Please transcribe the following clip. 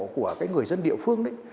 của cái người dân địa phương đấy